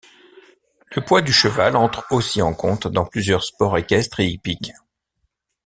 Le poids du cheval entre aussi en compte dans plusieurs sports équestres et hippiques.